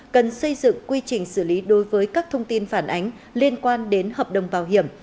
cần xây dựng quy trình xử lý đối với các thông tin phản ánh liên quan đến hợp đồng bảo hiểm